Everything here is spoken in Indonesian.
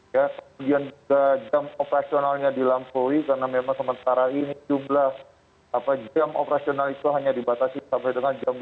kemudian juga jam operasionalnya dilampaui karena memang sementara ini jumlah jam operasional itu hanya dibatasi sampai dengan jam dua belas